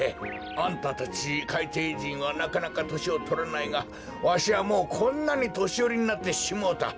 あんたたちかいていじんはなかなかとしをとらないがわしはもうこんなにとしよりになってしもうた。